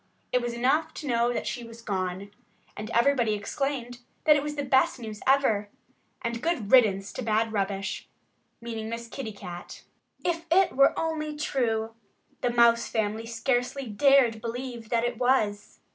It was enough to know that she was gone. And everybody exclaimed that it was the best news ever and good riddance to bad rubbish meaning Miss Kitty Cat. If it were only true! The Mouse family scarcely dared believe that it was.